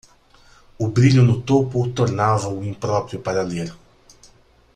O brilho no topo tornava-o impróprio para ler.